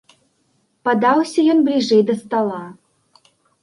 Падаўся ён бліжэй да стала.